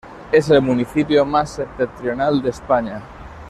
Es el municipio más septentrional de España.